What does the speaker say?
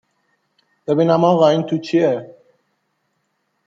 ببینم آقا این تو چیه؟